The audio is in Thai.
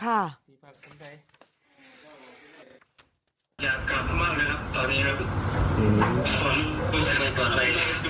อยากกลับมากเลยครับตอนนี้ครับ